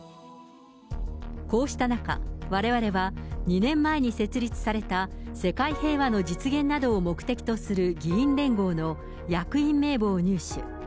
こうした中、われわれは２年前に設立された世界平和の実現などを目的とする議員連合の役員名簿を入手。